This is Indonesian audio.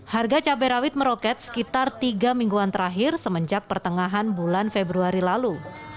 harga cabai rawit meroket sekitar tiga mingguan terakhir semenjak pertengahan bulan februari lalu